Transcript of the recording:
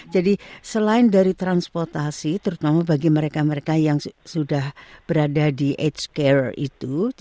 jadi selain dari transportasi terutama bagi mereka mereka yang sudah berada di aids care itu